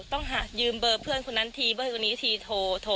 ต้องยืมเบอร์เพื่อนคนนั้นทีเบอร์คนนี้ทีโทร